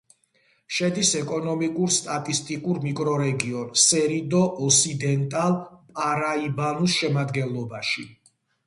შედის ეკონომიკურ-სტატისტიკურ მიკრორეგიონ სერიდო-ოსიდენტალ-პარაიბანუს შემადგენლობაში.